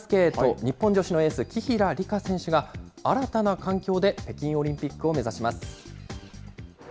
日本女子のエース、紀平梨花選手が新たな環境で北京オリンピックを目指します。